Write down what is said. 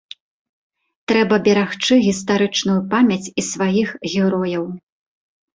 Трэба берагчы гістарычную памяць і сваіх герояў.